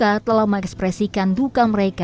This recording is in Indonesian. ia adalah sebuah tangkapan kebenaran dan kemujuan bagi mereka